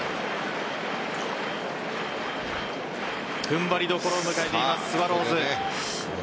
踏ん張りどころを迎えていますスワローズ。